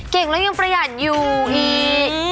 เก่งแล้วยังประหยัดอยู่อีก